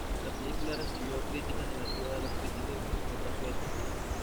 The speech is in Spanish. La película recibió críticas negativas de los críticos y fue un fracaso de taquilla.